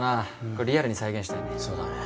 これリアルに再現したいね